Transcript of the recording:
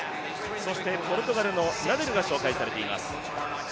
そしてポルトガルのナデルが紹介されています。